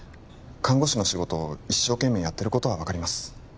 看護師の仕事を一生懸命やってることは分かります